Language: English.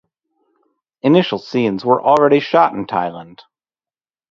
Initial scenes were already shot in Thailand.